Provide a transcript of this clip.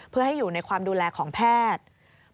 เพื่อให้อยู่ในความดูแลของแพทย์